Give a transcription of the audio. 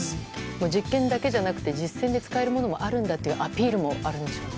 実験だけじゃなくて実戦で使えるものもあるんだというアピールもあるんでしょうね。